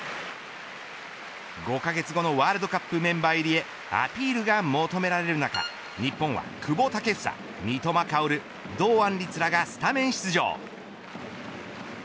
５カ月後のワールドカップメンバー入りへアピールが求められる中日本は久保建英三笘薫、堂安律らがスタメン出場。